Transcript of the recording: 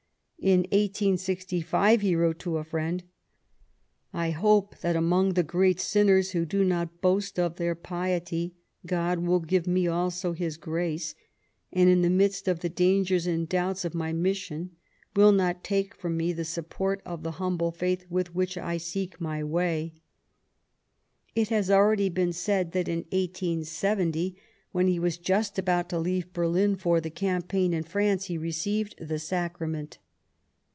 In 1865 he wrote to a friend :" I hope that among the many sinners who do not boast of their piety God will give me also His grace, and, in the midst of the dangers and doubts of my mission, will not take from me the support of the humble faith with which I seek my way," It has been already said that in 1870, when he was Sadowa just about to leave Berlin for the campaign in France, he received the Sacrament.